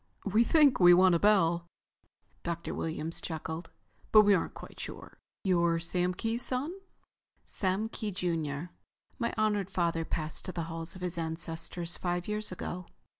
"We think we want a bell," Dr. Williams chuckled. "But we aren't quite sure. You're Sam Kee's son?" "Sam Kee, junior. My honored father passed to the halls of his ancestors five years ago.